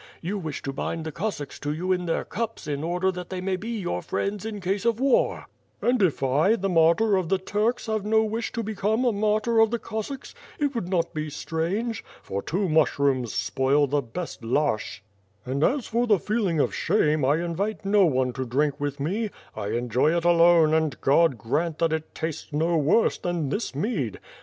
You wish to bind the Cossacks to you in their cups in order that they may be your friends in case of WITB FItiE AND 8W0LD. 107 "And If I, the martyr of the Turks, have no wish to be come a martyr of the Cos8a<?ks, it would not be strange; for two mushrooms spoil the best larshch/ and as for the feel ing of shame, I invite no one to drink with me — I enjoy it alone and God grant that it tastes no worse than this mead.